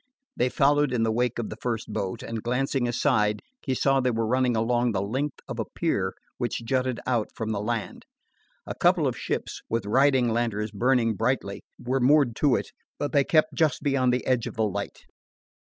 They followed in the wake of the first boat, and, glancing aside, he saw they were running along the length of a pier which jutted out from the land. A couple of ships, with riding lanterns burning brightly, were moored to it, but they kept just beyond the edge of the light.